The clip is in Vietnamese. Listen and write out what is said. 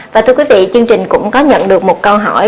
và thưa quý vị chương trình cũng có nhận được một câu hỏi